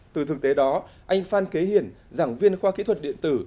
từ thực tế đó anh phan kế hiển giảng viên khoa kỹ thuật điện tử